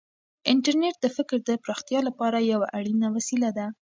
انټرنیټ د فکر د پراختیا لپاره یوه اړینه وسیله ده.